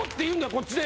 こっちで！